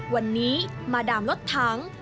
วันนี้มาดามรถถัง